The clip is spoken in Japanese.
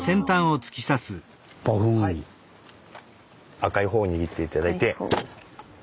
赤いほうを握って頂いて。